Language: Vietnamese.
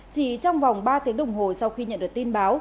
chỉ trong vòng ba tiếng đồng hồ sau khi nhận được tin báo